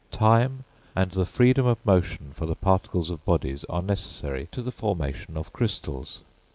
Time and freedom of motion for the particles of bodies are necessary to the formation of crystals.